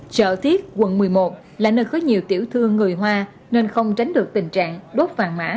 chợ thiết quận một mươi một là nơi có nhiều tiểu thương người hoa nên không tránh được tình trạng đốt vàng mã